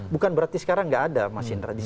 bukan berarti sekarang nggak ada masin radio